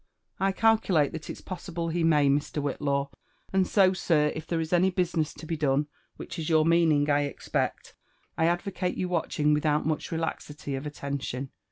'''^ I calculate that it's possible he may, Mr. Whitlaw; and so, sir, if there is any business to be don^, which is your niaaD{ng, I expect, I advocate your watching without much relaxity of aUention.